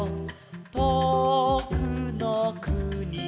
「とおくのくにの」